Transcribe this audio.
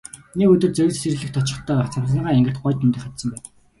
Нэг өдөр Зориг цэцэрлэгт очихдоо цамцныхаа энгэрт гоё тэмдэг хадсан байв.